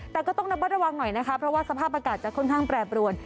แต่ก็ต้องระมัดระวังหน่อยนะคะเพราะว่าสภาพอากาศจะค่อนข้างแปรปรวน